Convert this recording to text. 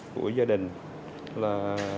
của gia đình là